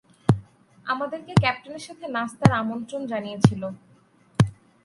আমাদেরকে ক্যাপ্টেনের সাথে নাস্তার আমন্ত্রণ জানিয়েছিল।